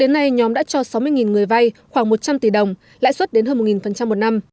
đến nay nhóm đã cho sáu mươi người vay khoảng một trăm linh tỷ đồng lãi suất đến hơn một một năm